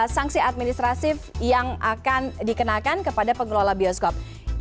sangsi administratif yang akan dikenakan kepada pengelola bioskop